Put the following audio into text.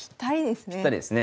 ぴったりですね。